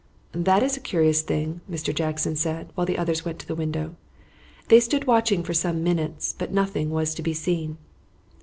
"That is a curious thing," Mr. Jackson said, while the others went to the window. They stood watching for some minutes, but nothing was to be seen.